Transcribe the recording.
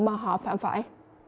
mà họ phản phải